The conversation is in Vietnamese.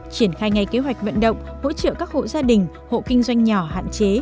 triển khai ngay kế hoạch vận động hỗ trợ các hộ gia đình hộ kinh doanh nhỏ hạn chế